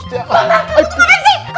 bapak kau itu ngapain sih